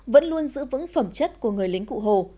vẫn luôn giữ vững phẩm chất của người lính cụ hồ